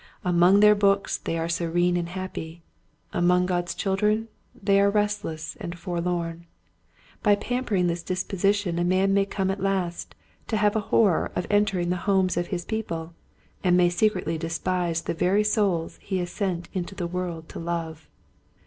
Among their books they are serene and happy : among God's children they are restless and forlorn. By pam pering this disposition a man may come at last to have a horror of entering the homes of his people and may secretly despise the very souls he is sent into the world to love.